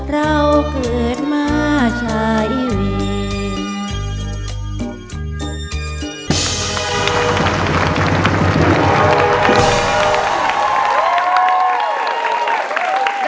เราเกิดมาใช้เวร